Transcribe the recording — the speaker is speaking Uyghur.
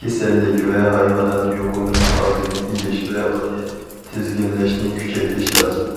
كېسەللىك ۋە ھايۋانات يۇقۇمىنىڭ ئالدىنى ئېلىش ۋە ئۇنى تىزگىنلەشنى كۈچەيتىش لازىم.